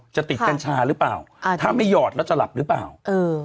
จะติดกัญชาหรือเปล่าอ่าถ้าไม่หยอดแล้วจะหลับหรือเปล่าเออ